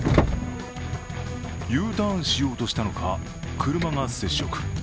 Ｕターンしようとしたのか、車が接触。